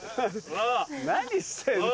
何してんの？